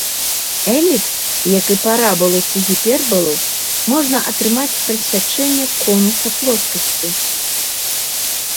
Эліпс, як і парабалу ці гіпербалу, можна атрымаць праз сячэнне конуса плоскасцю.